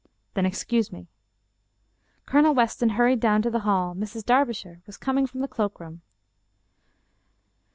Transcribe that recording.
" Then excuse me." Colonel Weston hurried down to the hall. Mrs. Darbi shire was coming from the cloak room.